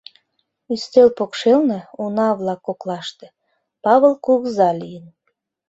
Ӱстел покшелне, уна-влак коклаште, Павыл кугыза лийын.